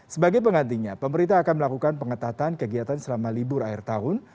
sebagai pengantinya pemerintah akan melakukan pengetatan kegiatan selama libur air tahun